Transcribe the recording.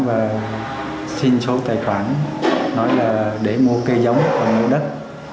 và xin số tài khoản để mua cây giống và mua đất